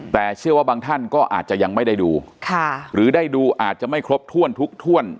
แต่เชื่อว่าบางท่านก็อาจจะยังไม่ได้ดูหรือได้ดูอาจจะไม่ครบถ้วนทุกถ้วน